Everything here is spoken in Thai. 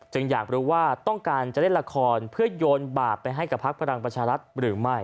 จึงอยากรู้ว่าต้องการจะเล่นลักษณ์เพื่อโดนบาปไปให้กับภัครังประชาธิศรัฐมึงไม่